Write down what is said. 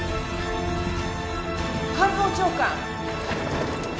官房長官！